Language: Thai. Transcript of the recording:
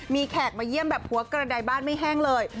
มีแขกมาเยี่ยมแบบหัวกระดายบ้านไม่แห้งเลย